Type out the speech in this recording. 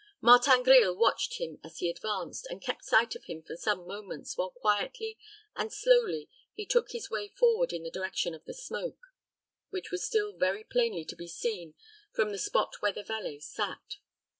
Martin Grille watched him as he advanced, and kept sight of him for some moments, while quietly and slowly he took his way forward in the direction of the smoke, which was still very plainly to be seen from the spot where the valet sat.